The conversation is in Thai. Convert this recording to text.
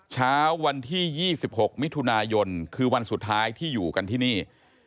เช้าวันที่๒๖มิถุนายนคือวันสุดท้ายที่อยู่กันที่นี่